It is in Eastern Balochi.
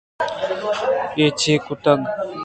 اے چے کتگ؟